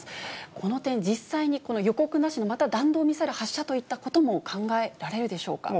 この点、実際に予告なしにまた弾道ミサイル発射といったことも考えられるでしょうか。